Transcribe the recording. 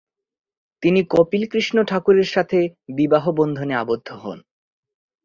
তিনি কপিল কৃষ্ণ ঠাকুরের সাথে বিবাহবন্ধনে আবদ্ধ হন।